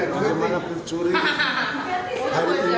bagaimana pencuri hari ini